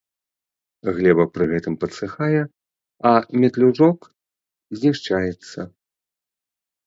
Глеба пры гэтым падсыхае, а метлюжок знішчаецца.